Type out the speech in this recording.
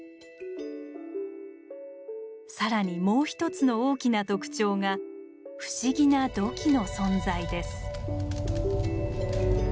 更にもう一つの大きな特徴が不思議な土器の存在です。